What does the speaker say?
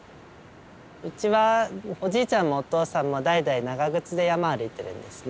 うちはおじいちゃんもお父さんも代々長靴で山歩いているんですね。